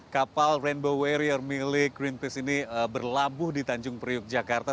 kapal rainbow warrior milik greenpeace ini berlabuh di tanjung priuk jakarta